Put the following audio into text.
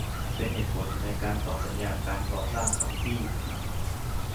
เป็นเหตุผลในการต่อสัญญาการก่อสร้างครั้งที่